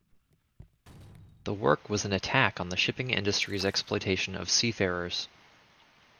The work was an attack on the shipping industry's exploitation of seafarers.